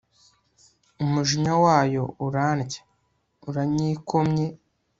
umujinya wayo urandya, uranyikomye